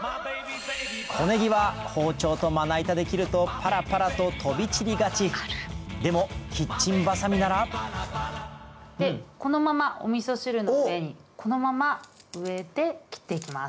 小ネギは包丁とまな板で切るとパラパラと飛び散りがちでもキッチンバサミならこのままおみそ汁の上にこのまま上で切っていきます。